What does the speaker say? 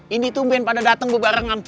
ini tumpin pada dateng berbarengan